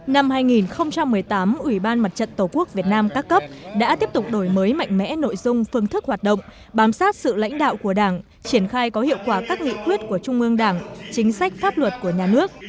năm hai nghìn một mươi tám ủy ban mặt trận tổ quốc việt nam các cấp đã tiếp tục đổi mới mạnh mẽ nội dung phương thức hoạt động bám sát sự lãnh đạo của đảng triển khai có hiệu quả các nghị quyết của trung ương đảng chính sách pháp luật của nhà nước